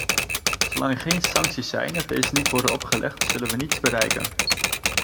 Zolang er geen sancties zijn of deze niet worden opgelegd, zullen we niets bereiken.